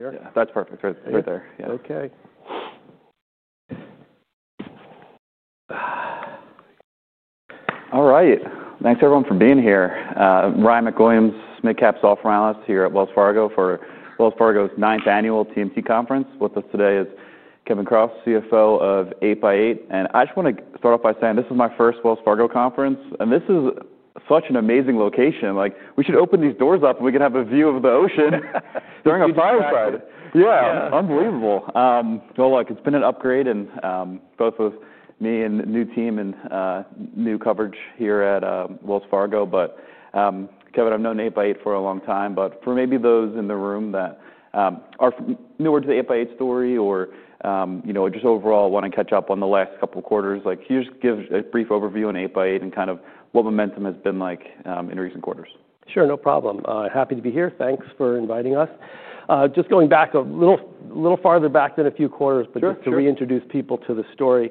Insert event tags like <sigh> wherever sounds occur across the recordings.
Yeah. That's perfect. Right, right there. Yeah. Okay. All right. Thanks, everyone, for being here. Ryan MacWilliams, Mid-Cap Software Analyst here at Wells Fargo for Wells Fargo's ninth annual TMT conference. With us today is Kevin Kraus, CFO of 8x8. I just wanna start off by saying this is my first Wells Fargo conference, and this is such an amazing location. Like, we should open these doors up and we could have a view of the ocean during a firefight. Yeah. Yeah. Unbelievable. Look, it's been an upgrade, both with me and the new team and new coverage here at Wells Fargo. Kevin, I've known 8x8 for a long time, but for maybe those in the room that are newer to the 8x8 story or, you know, just overall wanna catch up on the last couple quarters, like, can you just give a brief overview on 8x8 and kind of what momentum has been like in recent quarters? Sure. No problem. Happy to be here. Thanks for inviting us. Just going back a little, little farther back than a few quarters. Sure, sure. Just to reintroduce people to the story,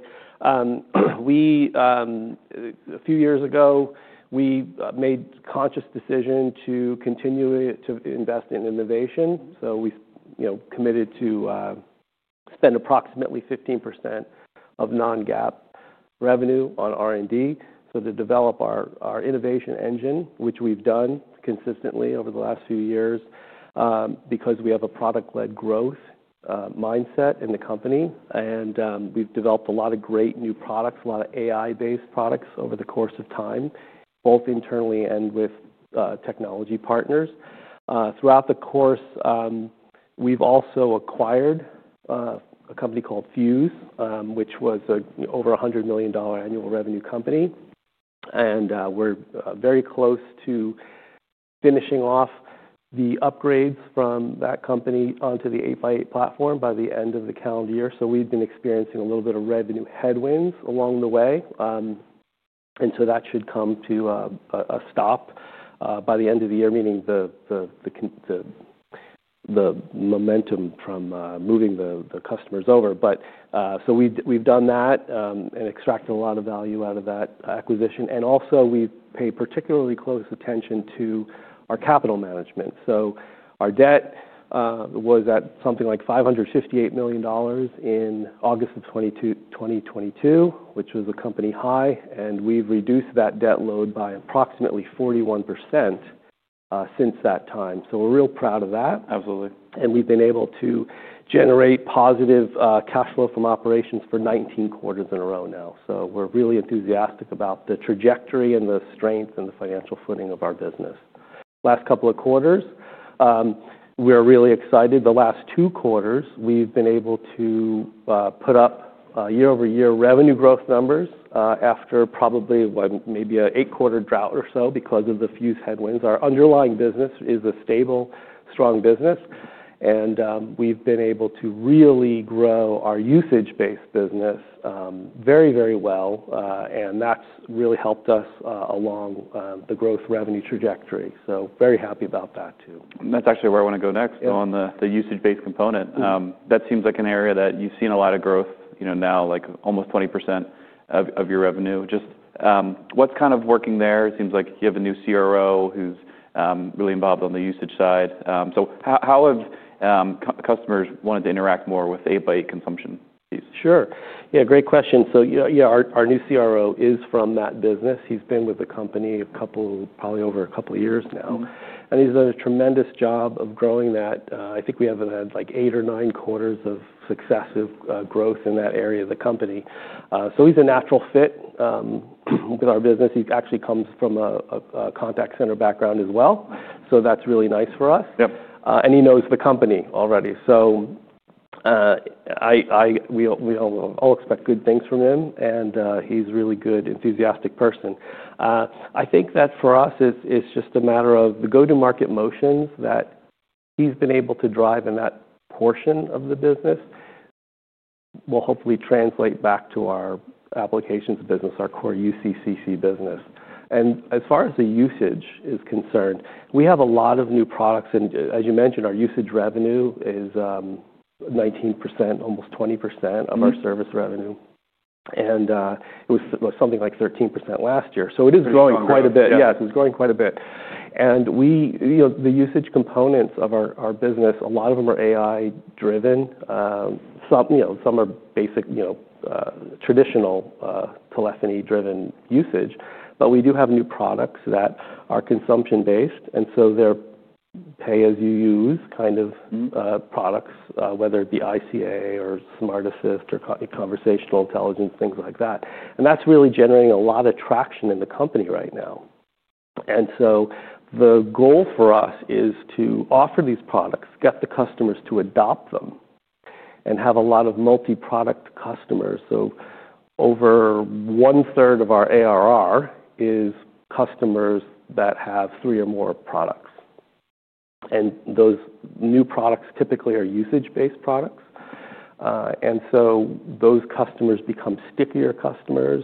we, a few years ago, made a conscious decision to continue to invest in innovation. We, you know, committed to spend approximately 15% of non-GAAP revenue on R&D to develop our innovation engine, which we've done consistently over the last few years, because we have a product-led growth mindset in the company. We've developed a lot of great new products, a lot of AI-based products over the course of time, both internally and with technology partners. Throughout the course, we've also acquired a company called Fuze, which was a, you know, over $100 million annual revenue company. We're very close to finishing off the upgrades from that company onto the 8x8 platform by the end of the calendar year. We've been experiencing a little bit of revenue headwinds along the way. That should come to a stop by the end of the year, meaning the momentum from moving the customers over. We have done that and extracted a lot of value out of that acquisition. We pay particularly close attention to our capital management. Our debt was at something like $558 million in August of 2022, which was a company high. We have reduced that debt load by approximately 41% since that time. We are real proud of that. Absolutely. We have been able to generate positive cash flow from operations for 19 quarters in a row now. We are really enthusiastic about the trajectory and the strength and the financial footing of our business. Last couple of quarters, we are really excited. The last two quarters, we have been able to put up year-over-year revenue growth numbers, after probably what, maybe an eight-quarter drought or so because of the Fuze headwinds. Our underlying business is a stable, strong business. We have been able to really grow our usage-based business very, very well, and that has really helped us along the growth revenue trajectory. Very happy about that too. That's actually where I wanna go next. Yeah. On the usage-based component. Mm-hmm. That seems like an area that you've seen a lot of growth, you know, now, like almost 20% of your revenue. Just, what's kind of working there? It seems like you have a new CRO who's really involved on the usage side. So how have customers wanted to interact more with 8x8 consumption piece? Sure. Yeah. Great question. You know, yeah, our new CRO is from that business. He's been with the company a couple, probably over a couple of years now. Mm-hmm. He's done a tremendous job of growing that. I think we have had eight or nine quarters of successive growth in that area of the company. He's a natural fit with our business. He actually comes from a contact center background as well. That's really nice for us. Yep. He knows the company already. I, I, we all, we all expect good things from him. He's a really good, enthusiastic person. I think that for us, it's just a matter of the go-to-market motions that he's been able to drive in that portion of the business will hopefully translate back to our applications business, our core UCaaS business. As far as the usage is concerned, we have a lot of new products. As you mentioned, our usage revenue is 19%, almost 20% of our service revenue. Mm-hmm. It was something like 13% last year. So it is growing quite a bit. That's a lot of revenue. Yes. It's growing quite a bit. And we, you know, the usage components of our business, a lot of them are AI-driven. Some, you know, some are basic, you know, traditional, telephony-driven usage. But we do have new products that are consumption-based. And so they're pay-as-you-use kind of. Mm-hmm. products, whether it be ICA or Smart Assist or conversational intelligence, things like that. That's really generating a lot of traction in the company right now. The goal for us is to offer these products, get the customers to adopt them, and have a lot of multi-product customers. Over 1/3 of our ARR is customers that have three or more products. Those new products typically are usage-based products, and those customers become stickier customers,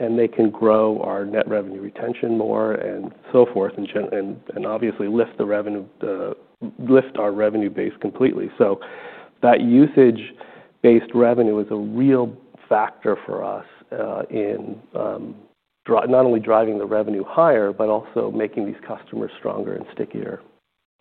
and they can grow our net revenue retention more and so forth and obviously lift the revenue, lift our revenue base completely. That usage-based revenue is a real factor for us, not only driving the revenue higher but also making these customers stronger and stickier.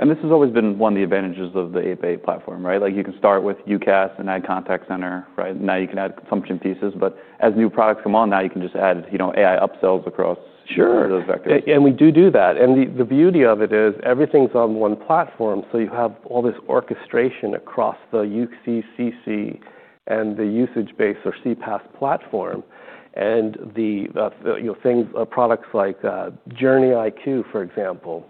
This has always been one of the advantages of the 8x8 platform, right? Like, you can start with UCaaS and add contact center, right? Now you can add consumption pieces. As new products come on, now you can just add, you know, AI upsells across Sure. those vectors. And we do do that. The beauty of it is everything's on one platform. You have all this orchestration across the UCaaS, and the usage-based or CPaaS platform. Products like JourneyIQ, for example,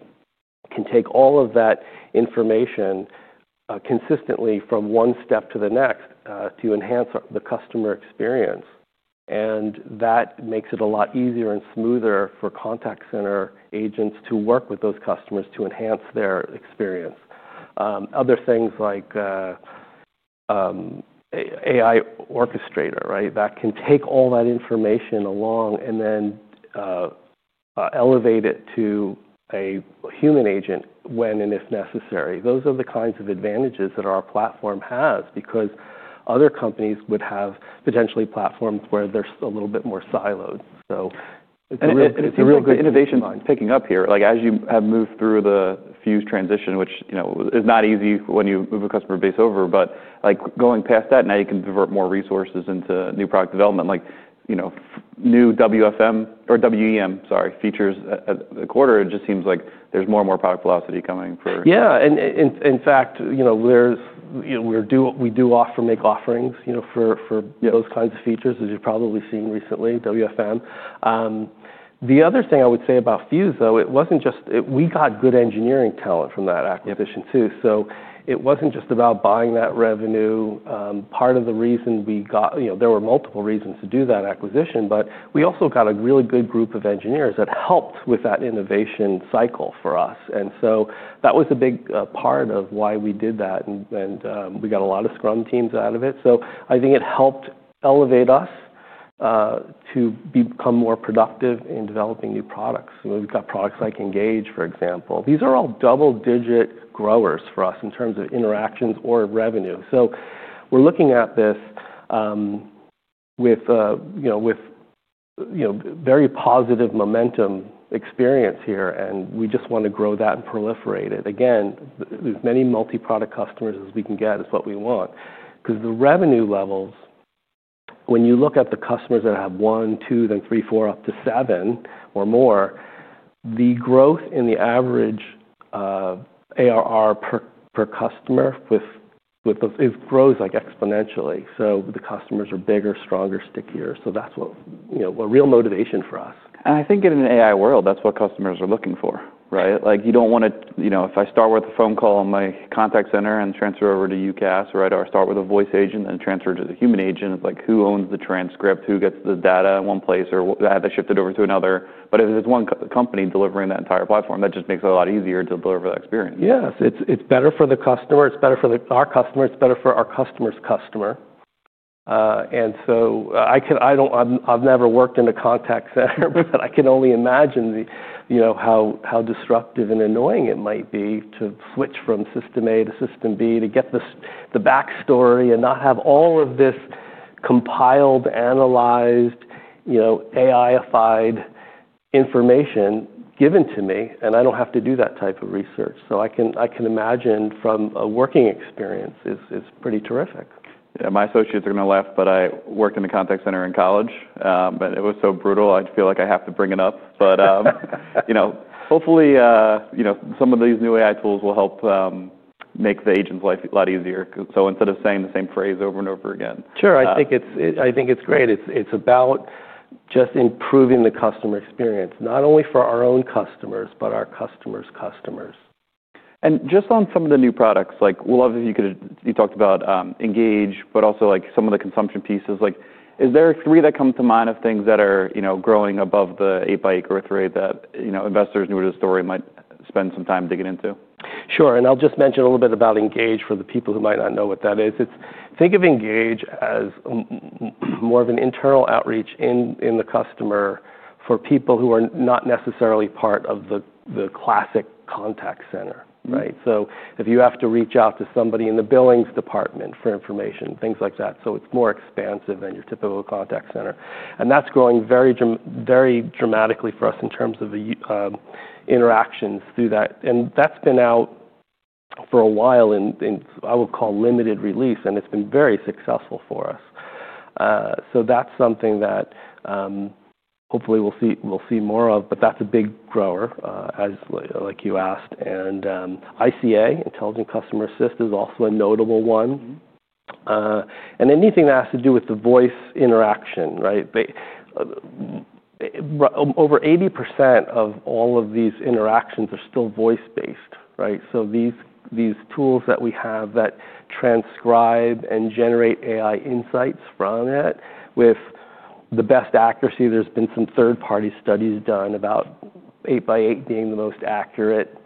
can take all of that information consistently from one step to the next to enhance the customer experience. That makes it a lot easier and smoother for contact center agents to work with those customers to enhance their experience. Other things like AI Orchestrator, right, that can take all that information along and then elevate it to a human agent when and if necessary. Those are the kinds of advantages that our platform has because other companies would have potentially platforms where they're a little bit more siloed. It's a real good. <audio distortion> Innovation line picking up here. Like, as you have moved through the Fuze transition, which, you know, is not easy when you move a customer base over. Like, going past that, now you can divert more resources into new product development, like, you know, new WFM or WEM, sorry, features a quarter. It just seems like there's more and more product velocity coming for. Yeah. And, in fact, you know, there's, you know, we do offer, make offerings, you know, for, for. Yeah. Those kinds of features as you've probably seen recently, WFM. The other thing I would say about Fuze, though, it wasn't just, we got good engineering talent from that acquisition too. Mm-hmm. It wasn't just about buying that revenue. Part of the reason we got, you know, there were multiple reasons to do that acquisition, but we also got a really good group of engineers that helped with that innovation cycle for us. That was a big part of why we did that. We got a lot of Scrum teams out of it. I think it helped elevate us to become more productive in developing new products. You know, we've got products like Engage, for example. These are all double-digit growers for us in terms of interactions or revenue. We're looking at this with, you know, very positive momentum experience here. We just wanna grow that and proliferate it. Again, as many multi-product customers as we can get is what we want 'cause the revenue levels, when you look at the customers that have one, two, then three, four, up to seven or more, the growth in the average ARR per customer with those, it grows like exponentially. The customers are bigger, stronger, stickier. That's what, you know, a real motivation for us. I think in an AI world, that's what customers are looking for, right? Yeah. Like, you don't wanna, you know, if I start with a phone call in my contact center and transfer over to UCaaS, right, or I start with a voice agent and then transfer to the human agent, it's like, who owns the transcript? Who gets the data in one place or had they shipped it over to another? If it's one company delivering that entire platform, that just makes it a lot easier to deliver that experience. Yes. It's better for the customer. It's better for our customer. It's better for our customer's customer. I don't, I've never worked in a contact center, but I can only imagine how disruptive and annoying it might be to switch from system A to system B to get the backstory and not have all of this compiled, analyzed, you know, AI-ified information given to me. I don't have to do that type of research. I can imagine from a working experience, it's pretty terrific. Yeah. My associates are gonna laugh, but I worked in a contact center in college, and it was so brutal, I feel like I have to bring it up. But, you know, hopefully, you know, some of these new AI tools will help make the agent's life a lot easier 'cause instead of saying the same phrase over and over again. Sure. I think it's great. It's about just improving the customer experience, not only for our own customers but our customer's customers. Just on some of the new products, like, we'd love if you could, you talked about Engage, but also, like, some of the consumption pieces. Like, is there three that come to mind of things that are, you know, growing above the 8x8 <audio distortion> that, you know, investors new to the story might spend some time digging into? Sure. I'll just mention a little bit about Engage for the people who might not know what that is. Think of Engage as more of an internal outreach in the customer for people who are not necessarily part of the classic contact center, right? Mm-hmm. If you have to reach out to somebody in the billings department for information, things like that, it's more expansive than your typical contact center. That's growing very, very dramatically for us in terms of the, um, interactions through that. That's been out for a while in, I would call, limited release, and it's been very successful for us. That's something that, hopefully, we'll see more of. That's a big grower, like you asked. ICA, Intelligent Customer Assist, is also a notable one. Mm-hmm. Anything that has to do with the voice interaction, right? Over 80% of all of these interactions are still voice-based, right? These tools that we have that transcribe and generate AI insights from it with the best accuracy, there have been some third-party studies done about 8x8 being the most accurate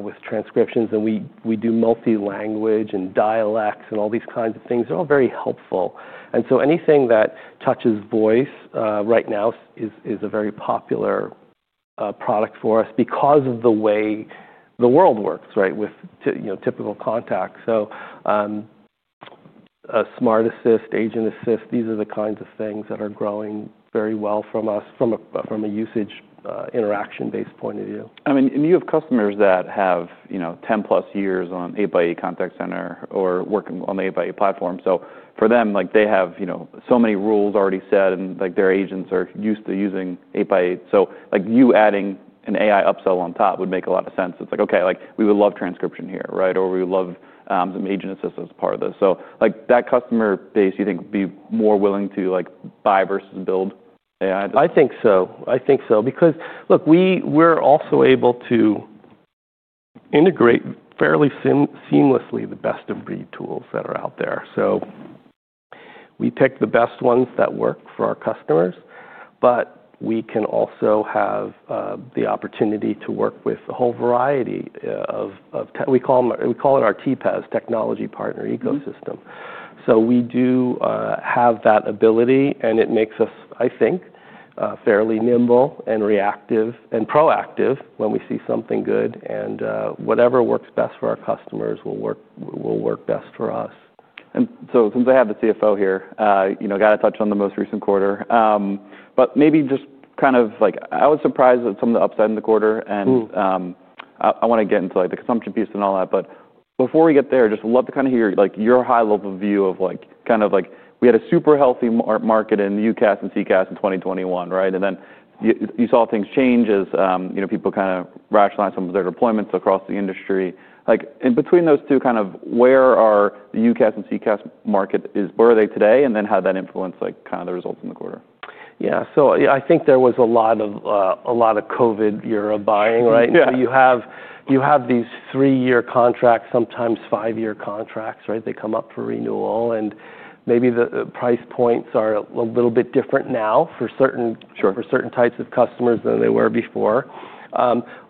with transcriptions. We do multi-language and dialects and all these kinds of things. They are all very helpful. Anything that touches voice right now is a very popular product for us because of the way the world works, right, with typical contacts. Smart Assist, Agent Assist, these are the kinds of things that are growing very well for us from a usage, interaction-based point of view. I mean, and you have customers that have, you know, 10+ years on 8x8 contact center or working on the 8x8 platform. For them, like, they have, you know, so many rules already set and, like, their agents are used to using 8x8. Like, you adding an AI upsell on top would make a lot of sense. It's like, okay, like, we would love transcription here, right? Or we would love, some Agent Assist as part of this. Like, that customer base, you think, would be more willing to, like, buy versus build AI? I think so. I think so because, look, we were also able to integrate fairly seamlessly the best-of-breed tools that are out there. We pick the best ones that work for our customers. We can also have the opportunity to work with a whole variety of, we call it our TPEs, Technology Partner Ecosystem. Mm-hmm. We do have that ability. It makes us, I think, fairly nimble and reactive and proactive when we see something good. Whatever works best for our customers will work best for us. Since I have the CFO here, you know, gotta touch on the most recent quarter. But maybe just kind of, like, I was surprised at some of the upside in the quarter. Mm-hmm. I wanna get into, like, the consumption piece and all that. Before we get there, I'd just love to kinda hear, like, your high-level view of, like, kind of, like, we had a super healthy market in UCaaS and CCaaS in 2021, right? You saw things change as, you know, people kinda rationalize some of their deployments across the industry. In between those two, kind of where are the UCaaS and CCaaS market, where are they today, and then how that influenced, like, kinda the results in the quarter? Yeah. I think there was a lot of COVID-era buying, right? Yeah. You have these three-year contracts, sometimes five-year contracts, right? They come up for renewal. Maybe the price points are a little bit different now for certain. Sure. For certain types of customers than they were before.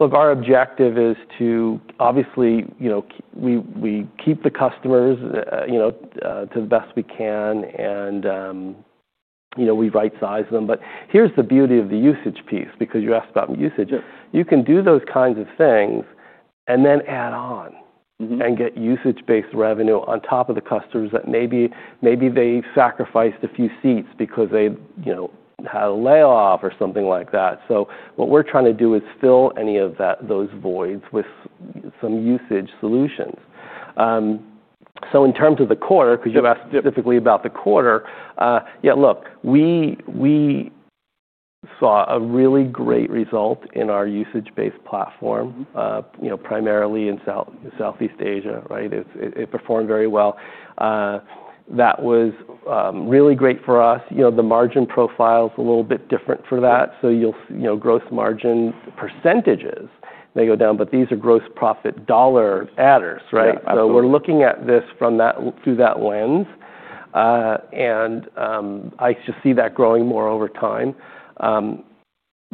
Look, our objective is to obviously, you know, we keep the customers, you know, to the best we can. And, you know, we right-size them. But here's the beauty of the usage piece because you asked about usage. Yeah. You can do those kinds of things and then add on. Mm-hmm. You get usage-based revenue on top of the customers that maybe, maybe they sacrificed a few seats because they, you know, had a layoff or something like that. What we are trying to do is fill any of those voids with some usage solutions. In terms of the quarter, 'cause you asked specifically about the quarter, yeah, look, we saw a really great result in our usage-based platform. Mm-hmm. You know, primarily in South, Southeast Asia, right? It performed very well. That was really great for us. You know, the margin profile's a little bit different for that. You'll see, you know, gross margin percentages, they go down. These are gross profit dollar adders, right? Yeah. Absolutely. We're looking at this through that lens, and I just see that growing more over time.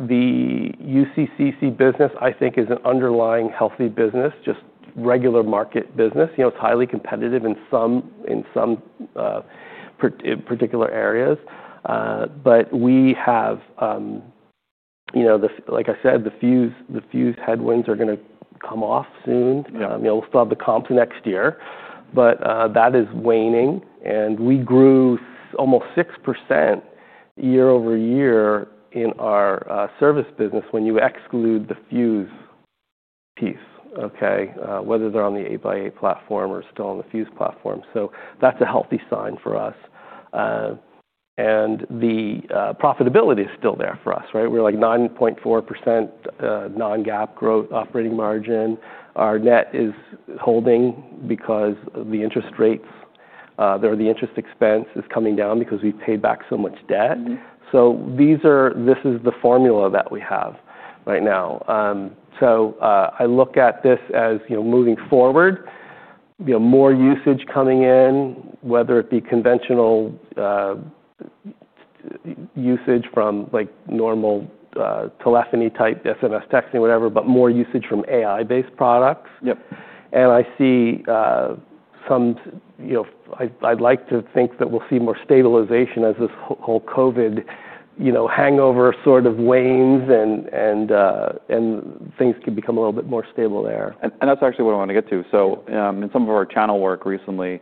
The UCaaS business, I think, is an underlying healthy business, just regular market business. You know, it's highly competitive in some particular areas, but we have, you know, like I said, the Fuze headwinds are gonna come off soon. Yeah. You know, we'll still have the comps next year. That is waning. We grew almost 6% year-over-year in our service business when you exclude the Fuze piece, whether they're on the 8x8 platform or still on the Fuze platform. That's a healthy sign for us. The profitability is still there for us, right? We're like 9.4% non-GAAP growth operating margin. Our net is holding because the interest expense is coming down because we've paid back so much debt. Mm-hmm. These are, this is the formula that we have right now. I look at this as, you know, moving forward, you know, more usage coming in, whether it be conventional usage from, like, normal telephony-type SMS texting, whatever, but more usage from AI-based products. Yep. I see, you know, I, I'd like to think that we'll see more stabilization as this whole COVID, you know, hangover sort of wanes and things can become a little bit more stable there. That's actually what I wanna get to. In some of our channel work recently,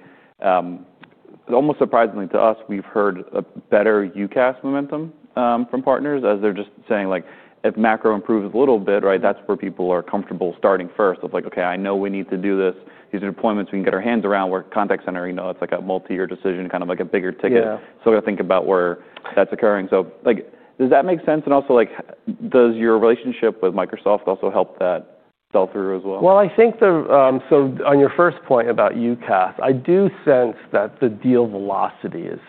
almost surprisingly to us, we've heard a better UCaaS momentum from partners as they're just saying, like, if macro improves a little bit, right, that's where people are comfortable starting first of like, "Okay, I know we need to do this. These are deployments we can get our hands around. We're a contact center." You know, it's like a multi-year decision, kind of like a bigger ticket. Yeah. We're gonna think about where that's occurring. Like, does that make sense? And also, like, does your relationship with Microsoft also help that sell through as well? I think the, so on your first point about UCaaS, I do sense that the deal velocity is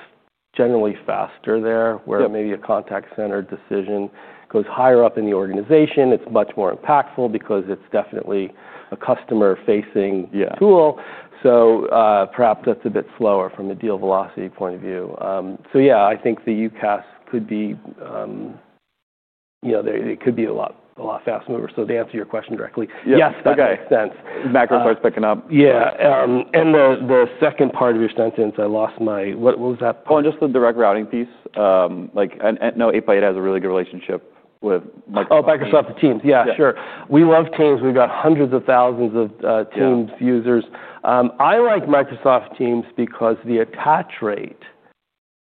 generally faster there where. Yeah. Maybe a contact center decision goes higher up in the organization. It's much more impactful because it's definitely a customer-facing. Yeah. Tool. Perhaps that's a bit slower from a deal velocity point of view. So yeah, I think the UCaaS could be, you know, there, it could be a lot, a lot faster mover. To answer your question directly. Yes, that makes sense. Macro starts picking up. Yeah. The second part of your sentence, I lost my, what, what was that? Oh, and just the direct routing piece, like, and, and no, 8x8 has a really good relationship with Microsoft. Oh, Microsoft Teams. Yeah. Sure. We love Teams. We've got hundreds of thousands of Teams users. Yeah. I like Microsoft Teams because the attach rate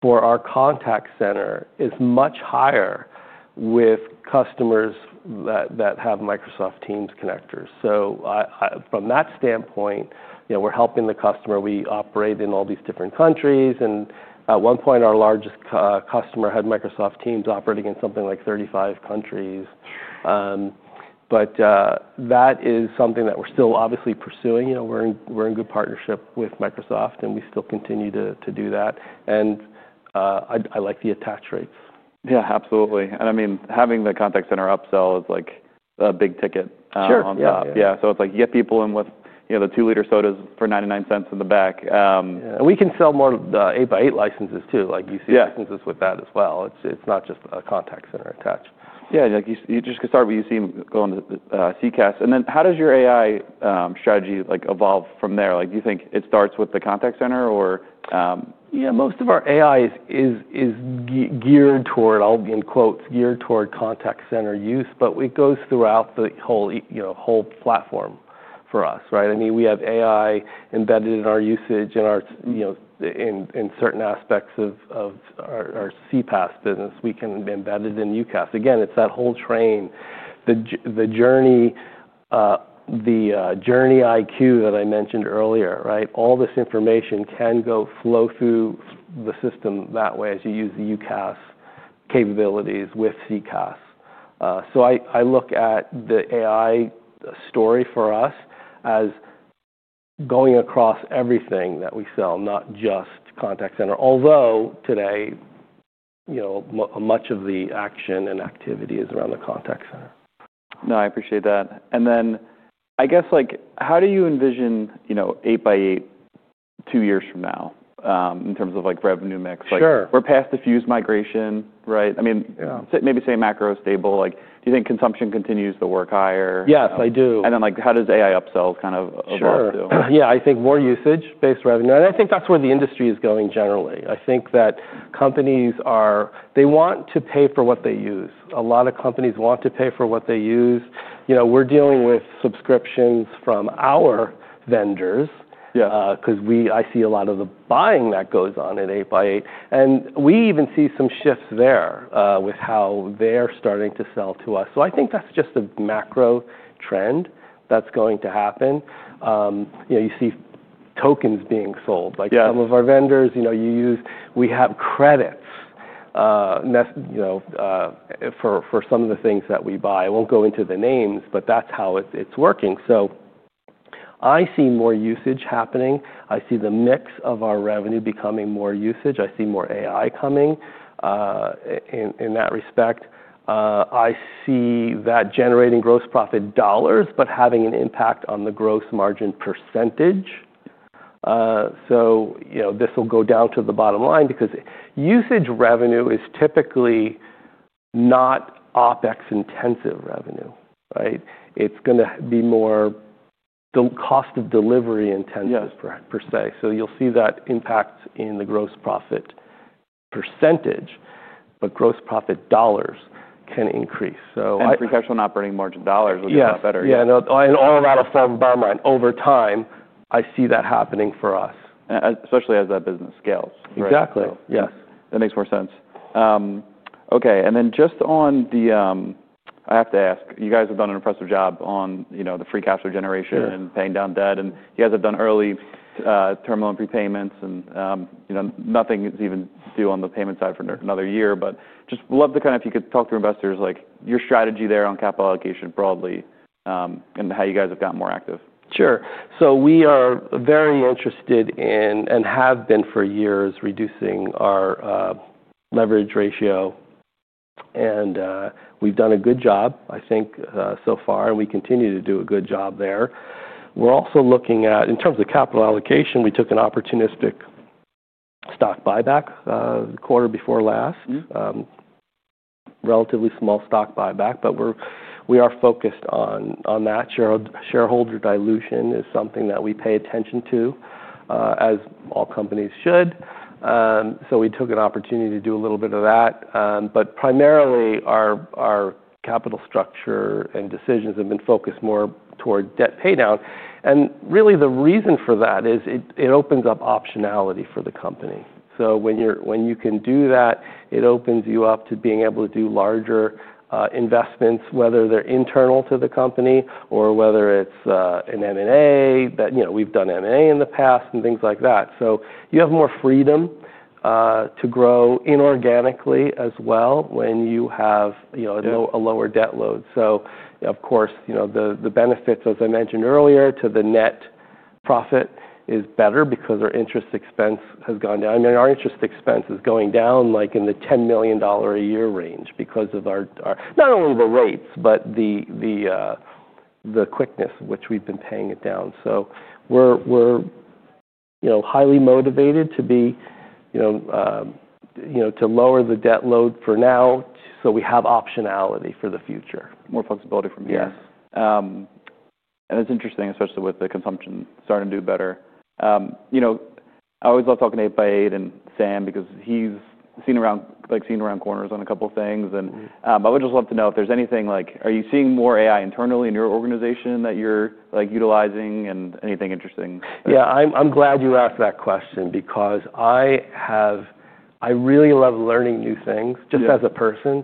for our contact center is much higher with customers that have Microsoft Teams connectors. So I, I from that standpoint, you know, we're helping the customer. We operate in all these different countries. At one point, our largest customer had Microsoft Teams operating in something like 35 countries. That is something that we're still obviously pursuing. You know, we're in good partnership with Microsoft. We still continue to do that. I like the attach rates. Yeah. Absolutely. I mean, having the contact center upsell is like a big ticket. Sure. On top. Yeah. It's like you get people in with, you know, the 2 L sodas for $0.99 in the back. Yeah. We can sell more of the 8x8 licenses too, like UCaaS licenses. Yeah. With that as well. It's, it's not just a contact center attach. Yeah. Like, you just can start with UC going to CCaaS. And then how does your AI strategy, like, evolve from there? Like, do you think it starts with the contact center or, Yeah. Most of our AI is geared toward, I'll be in quotes, geared toward contact center use. But it goes throughout the whole, you know, whole platform for us, right? I mean, we have AI embedded in our usage and our, you know, in certain aspects of our CPaaS business. We can be embedded in UCaaS. Again, it's that whole train, the JourneyIQ that I mentioned earlier, right? All this information can flow through the system that way as you use the UCaaS capabilities with CCaaS. I look at the AI story for us as going across everything that we sell, not just contact center, although today, you know, much of the action and activity is around the contact center. No, I appreciate that. I guess, like, how do you envision, you know, 8x8 two years from now, in terms of, like, revenue mix? Sure. Like, we're past the Fuze migration, right? I mean. Yeah. Say, maybe say macro stable. Like, do you think consumption continues to work higher? Yes, I do. Like, how does AI upsell kind of evolve too? Sure. Yeah. I think more usage-based revenue. I think that's where the industry is going generally. I think that companies are, they want to pay for what they use. A lot of companies want to pay for what they use. You know, we're dealing with subscriptions from our vendors. Yeah. 'Cause we, I see a lot of the buying that goes on at 8x8. And we even see some shifts there, with how they're starting to sell to us. I think that's just a macro trend that's going to happen. You know, you see tokens being sold. Yeah. Like, some of our vendors, you know, we have credits, you know, for some of the things that we buy. I won't go into the names, but that's how it's working. I see more usage happening. I see the mix of our revenue becoming more usage. I see more AI coming in, in that respect. I see that generating gross profit dollars but having an impact on the gross margin percentage. You know, this will go down to the bottom line because usage revenue is typically not OpEx-intensive revenue, right? It's gonna be more the cost of delivery intensive. Yes. Per se. You'll see that impact in the gross profit percentage. Gross profit dollars can increase. Precautional operating margin dollars would be a lot better. Yeah. Yeah. No, and all that will fall in the bottom line. Over time, I see that happening for us. Especially as that business scales, right? Exactly. Yes. That makes more sense. Okay. And then just on the, I have to ask. You guys have done an impressive job on, you know, the free cash flow generation. Sure. Paying down debt. You guys have done early term loan prepayments. You know, nothing is even due on the payment side for another year. Just love to kind of, if you could talk to investors, like, your strategy there on capital allocation broadly, and how you guys have gotten more active. Sure. We are very interested in and have been for years reducing our leverage ratio. We've done a good job, I think, so far. We continue to do a good job there. We're also looking at, in terms of capital allocation, we took an opportunistic stock buyback the quarter before last. Mm-hmm. Relatively small stock buyback. We are focused on that. Shareholder dilution is something that we pay attention to, as all companies should. We took an opportunity to do a little bit of that. Primarily, our capital structure and decisions have been focused more toward debt paydown. Really, the reason for that is it opens up optionality for the company. When you can do that, it opens you up to being able to do larger investments, whether they are internal to the company or whether it is an M&A that, you know, we have done M&A in the past and things like that. You have more freedom to grow inorganically as well when you have a lower debt load. Of course, you know, the benefits, as I mentioned earlier, to the net profit is better because our interest expense has gone down. I mean, our interest expense is going down, like, in the $10 million a year range because of our, not only the rates but the quickness with which we've been paying it down. We're, you know, highly motivated to be, you know, to lower the debt load for now so we have optionality for the future. More flexibility from here. Yes. and it's interesting, especially with the consumption starting to do better. you know, I always love talking to 8x8 and Sam because he's seen around, like, seen around corners on a couple of things. I would just love to know if there's anything, like, are you seeing more AI internally in your organization that you're, like, utilizing and anything interesting? Yeah. I'm glad you asked that question because I have, I really love learning new things. Yeah. Just as a person.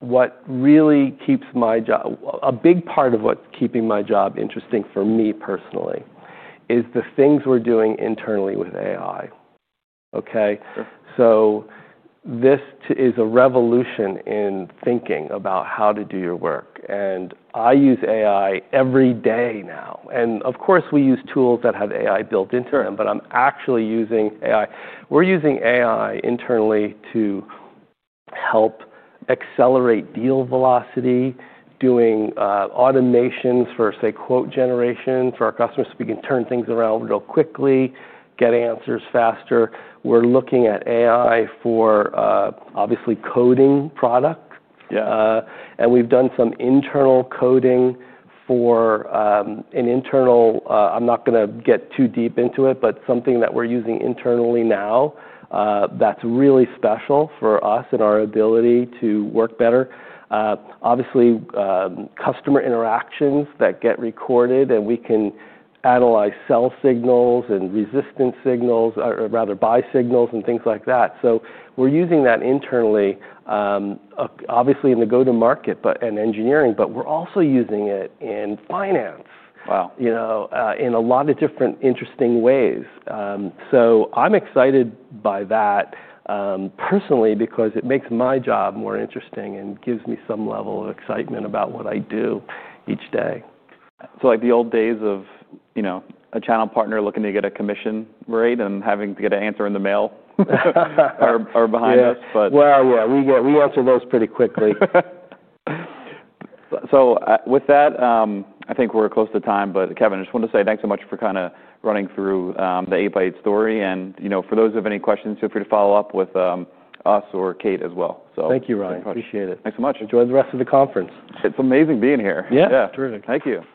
What really keeps my job, a big part of what's keeping my job interesting for me personally is the things we're doing internally with AI, okay? Sure. This is a revolution in thinking about how to do your work. I use AI every day now. Of course, we use tools that have AI built into them. Sure. I'm actually using AI. We're using AI internally to help accelerate deal velocity, doing automations for, say, quote generation for our customers so we can turn things around real quickly, get answers faster. We're looking at AI for, obviously, coding product. Yeah. and we've done some internal coding for, an internal, I'm not gonna get too deep into it, but something that we're using internally now, that's really special for us and our ability to work better. Obviously, customer interactions that get recorded. And we can analyze sell signals and resistance signals or, or rather, buy signals and things like that. So we're using that internally, obviously, in the go-to-market but and engineering. But we're also using it in finance. Wow. You know, in a lot of different interesting ways. I'm excited by that, personally because it makes my job more interesting and gives me some level of excitement about what I do each day. Like, the old days of, you know, a channel partner looking to get a commission rate and having to get an answer in the mail are behind us. Yeah. But. Yeah. We get we answer those pretty quickly. With that, I think we're close to time. Kevin, I just wanted to say thanks so much for kinda running through the 8x8 story. You know, for those who have any questions, feel free to follow up with us or Kate as well. Thank you, Ryan. Appreciate it. Thanks so much. Enjoy the rest of the conference. It's amazing being here. Yeah. Yeah. Terrific. Thank you.